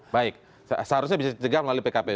baik seharusnya bisa ditegak melalui pkp